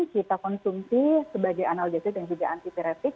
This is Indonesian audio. kita konsumsi sebagai analgesik dan juga antiterapik